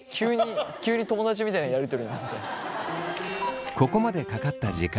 急に友達みたいなやり取りになったよ。